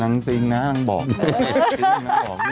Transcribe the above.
น้ำสิงนะน้ำบ่อม